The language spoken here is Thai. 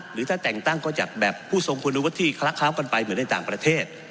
หรือถ้าแต่งตั้งก็จากแบบผู้สมควรรู้ว่าที่คลักษณะกันไปเหมือนในต่างประเทศ